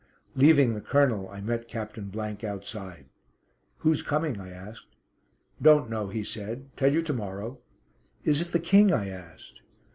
Leaving the Colonel I met Captain outside. "Who's coming?" I asked. "Don't know," he said. "Tell you to morrow." "Is it the King?" I asked.